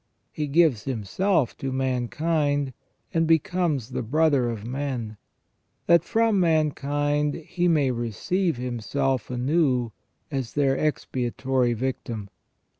He gives Himself to mankind, and becomes the brother of men, that from mankind He may receive Himself anew as their expiatory victim.